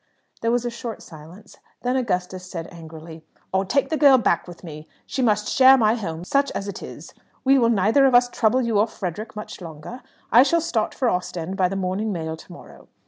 There was a short silence. Then Augustus said angrily, "I'll take the girl back with me. She must share my home, such as it is. We will neither of us trouble you or Frederick much longer. I shall start for Ostend by the morning mail to morrow."